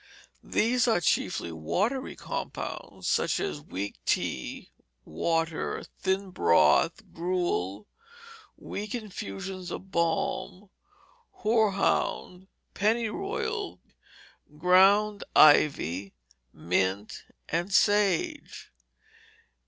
These are chiefly watery compounds, such as weak tea, water, thin broth, gruel, weak infusions of balm, hore hound, pennyroyal, ground ivy, mint, and sage.